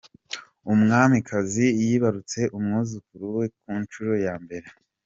UmwamikaziYibarutse umwuzukuru we Kunshuro Yambere